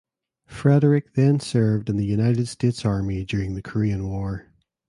Frederick then served in the United States Army during the Korean War.